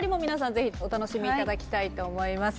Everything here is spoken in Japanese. ぜひお楽しみ頂きたいと思います。